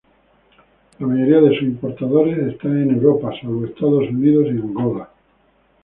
La mayoría de sus importadores están en Europa salvo Estados Unidos y Angola.